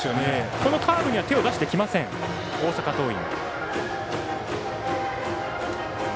このカーブには手を出してこない大阪桐蔭。